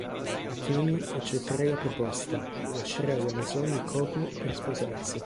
Akemi accetterà la proposta e lascerà la Maison Ikkoku per sposarsi.